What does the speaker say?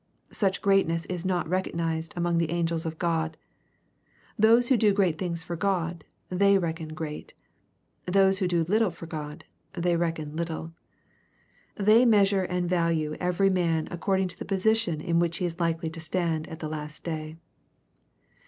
Such greatness is not recognized among the angels of God. Those who do great things for God, they reckon great. Those who do little for God, they reckon little. They measure and value every man according to the position in which he is likely to stand at the last day.